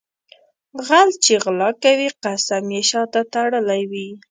غل چې غلا کوي قسم یې شاته تړلی وي.